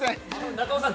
中尾さん